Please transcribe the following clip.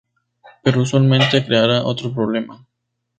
Pero usualmente creará otro problema.